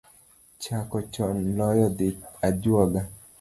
Chako chon loyo dhi ajuoga